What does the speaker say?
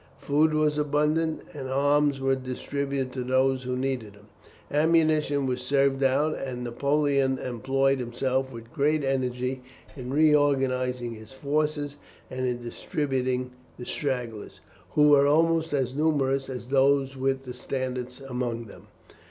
Food was abundant, and arms were distributed to those who needed them. Ammunition was served out, and Napoleon employed himself with great energy in reorganizing his forces and in distributing the stragglers, who were almost as numerous as those with the standards, among them.